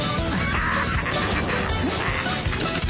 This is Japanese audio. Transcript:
ハハハハ！